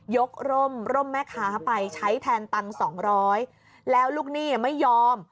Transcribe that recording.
กร่มร่มแม่ค้าไปใช้แทนตังค์สองร้อยแล้วลูกหนี้ไม่ยอม